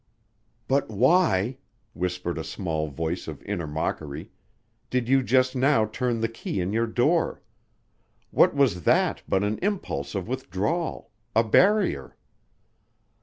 "But why," whispered a small voice of inner mockery, "did you just now turn the key in your door? What was that but an impulse of withdrawal a barrier?"